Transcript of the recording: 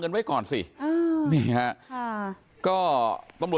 ผู้ชมครับท่าน